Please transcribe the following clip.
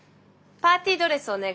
パーティードレスお願い。